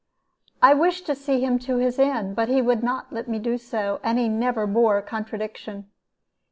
I wished to see him to his inn, but he would not let me do so, and he never bore contradiction.